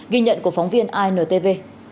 ghi nhận của phóng viên intv